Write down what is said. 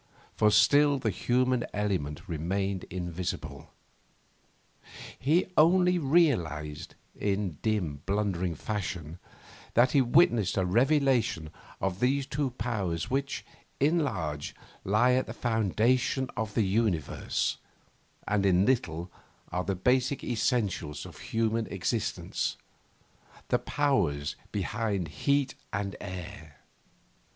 For still the human element remained invisible. He only realised in dim, blundering fashion that he witnessed a revelation of those two powers which, in large, lie at the foundations of the Universe, and, in little, are the basic essentials of human existence the powers behind heat and air.